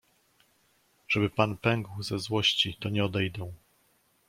"Żeby pan pękł ze złości to nie odejdę."